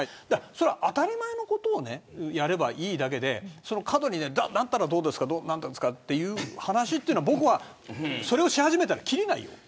それは当たり前のことをやればいいだけで過度になったらどうですかという話というのはそれをし始めたらきりがないよ。